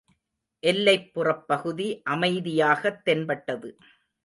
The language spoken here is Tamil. எல்லைப்புறப் பகுதி அமைதியாகத் தென்பட்டது.